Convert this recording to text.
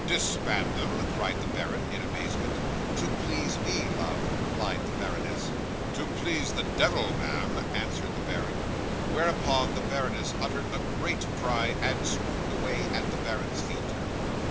'"Disband them!" cried the baron, in amazement. '"To please me, love," replied the baroness. '"To please the devil, ma'am," answered the baron. 'Whereupon the baroness uttered a great cry, and swooned away at the baron's feet.